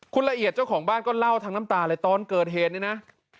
คุณละเอียดเจ้าของบ้านก็เล่าทั้งน้ำตาเลยตอนเกิดเหตุเนี่ยนะ